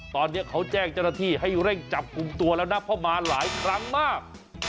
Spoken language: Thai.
ตอนนี้เขาแจ้งเจ้าหน้าที่ให้เร่งจับกลุ่มตัวแล้วนะเพราะมาหลายครั้งมาก